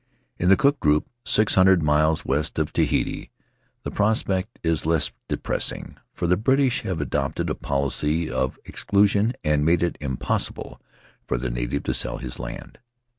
In the Cook group, six hundred miles west of Tahiti, the prospect is less depressing, for the British have adopted a policy of exclusion and made it impossible for the native to sell his land.